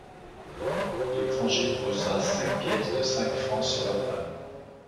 L'étranger posa cinq pièces de cinq francs sur la table.